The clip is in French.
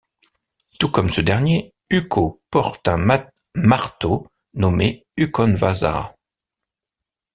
Tout comme ce dernier, Ukko porte un marteau nommé Ukonvasara.